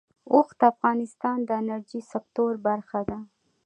اوښ د افغانستان د انرژۍ سکتور برخه ده.